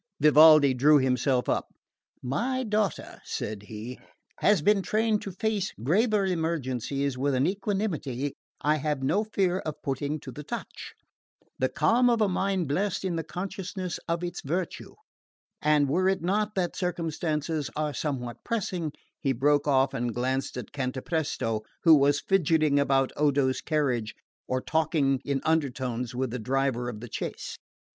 Vivaldi drew himself up. "My daughter," said he, "has been trained to face graver emergencies with an equanimity I have no fear of putting to the touch 'the calm of a mind blest in the consciousness of its virtue'; and were it not that circumstances are somewhat pressing " he broke off and glanced at Cantapresto, who was fidgeting about Odo's carriage or talking in undertones with the driver of the chaise.